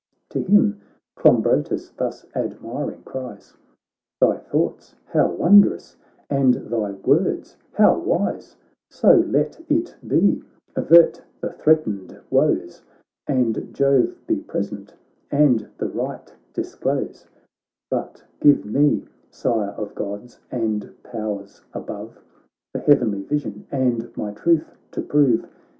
To him Clombrotus thus admiring cries :' Thy thoughts how wondrous, and thy words how wise ! So let it be, avert the threatened woes. And Jove be present and the right dis close ; But give me, Sire of Gods and powers above. The heavenly vision, and my truth to prove